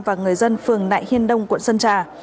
và người dân phường nại hiên đông quận sơn trà